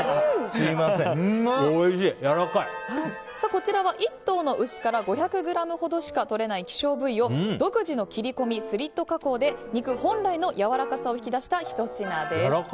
こちらは１頭の牛から５００ｇほどしかとれない希少部位を独自の切り込み、スリット加工で肉本来のやわらかさを引き出したひと品です。